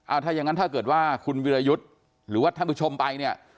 ถ้ายังงั้นถ้าเกิดว่าคุณวิรยุทธ์หรือว่าท่านผู้ชมไปเนี่ย